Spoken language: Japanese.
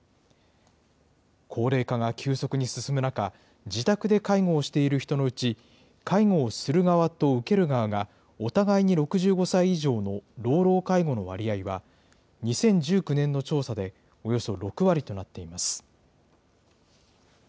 高齢化が急速に進む中、自宅で介護をしている人のうち、介護をする側と受ける側がお互いに６５歳以上の老老介護の割合は、２０１９年の調査でおよそ６割となっています。